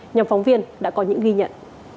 nhàm phóng viên đã có những ghi nhận